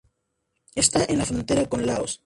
Está en la frontera con Laos.